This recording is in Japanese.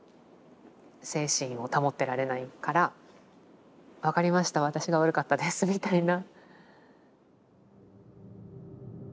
精神を保ってられないから「分かりました私が悪かったです」みたいな。